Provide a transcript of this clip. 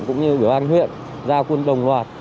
cũng như của bang huyện giao quân đồng loạt